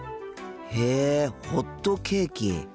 へえホットケーキ。